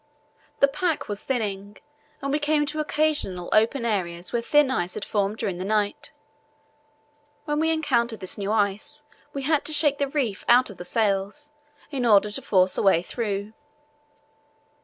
The pack was thinning, and we came to occasional open areas where thin ice had formed during the night. When we encountered this new ice we had to shake the reef out of the sails in order to force a way through.